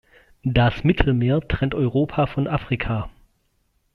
Das Mittelmeer trennt Europa von Afrika.